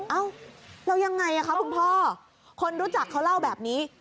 เอ้าแล้วยังไงคะคุณพ่อคนรู้จักเขาเล่าแบบนี้